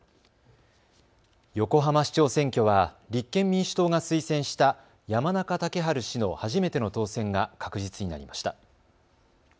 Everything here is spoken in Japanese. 横浜市長選挙は立憲民主党が推薦した山中竹春氏の初めての当選が確実になりました。